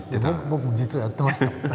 僕実はやってました。